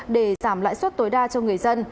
để giảm lãi suất tối đa cho người dân